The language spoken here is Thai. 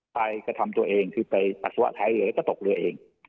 ใครกระทำตัวเองคือไปปัสสวะไทยเลยก็ตกเลยเอง